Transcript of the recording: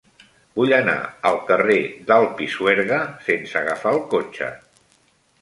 Vull anar al carrer del Pisuerga sense agafar el cotxe.